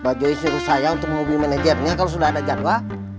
mbak jois nyuruh saya untuk menghubungi manajernya kalau sudah ada jadwa